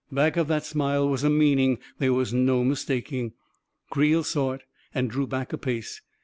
Back of that smile was a meaning there was no mistaking. Creel saw it — and drew back a pace.